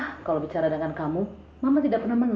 hah kalau bicara dengan kamu mama tidak pernah menang